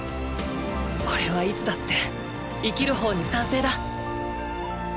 おれはいつだって生きる方に賛成だっ！